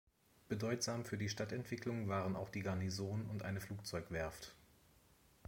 Bedeutsam für die Stadtentwicklung waren auch die Garnison und eine Flugzeugwerft.